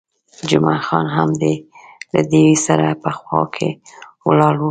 جمعه خان هم له دوی سره په خوا کې ولاړ وو.